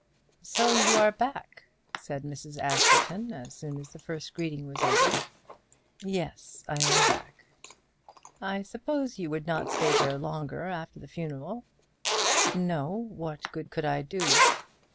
"So you are back," said Mrs. Askerton, as soon as the first greeting was over. "Yes; I am back." "I supposed you would not stay there long after the funeral." "No; what good could I do?"